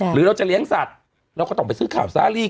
หรือเราจะเลี้ยงสัตว์เราก็ต้องไปซื้อข่าวซาลี